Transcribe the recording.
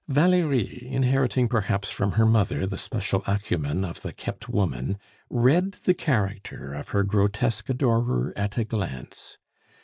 Valerie, inheriting perhaps from her mother the special acumen of the kept woman, read the character of her grotesque adorer at a glance.